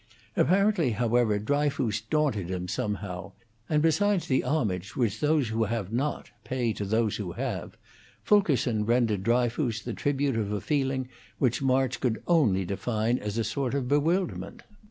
Apparently, however, Dryfoos daunted him somehow; and besides the homage which those who have not pay to those who have, Fulkerson rendered Dryfoos the tribute of a feeling which March could only define as a sort of bewilderment.